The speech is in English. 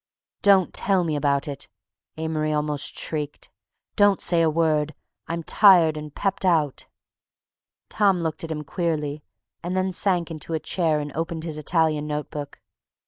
"Don't tell me about it!" Amory almost shrieked. "Don't say a word; I'm tired and pepped out." Tom looked at him queerly and then sank into a chair and opened his Italian note book.